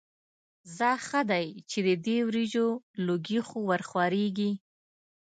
ځه ښه دی چې د دې وریجو لوګي خو ورخوريږي.